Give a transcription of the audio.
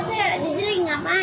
teman baru enggak pacaran